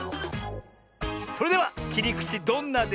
それではきりくちどんなでしょ。